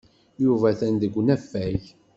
Yuba atan deg unafag.